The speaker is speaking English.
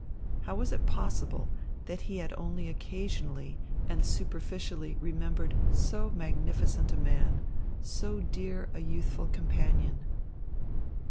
How was it possible that he had only occasionally and superficially remembered so magnificent a man, so dear a youthful companion?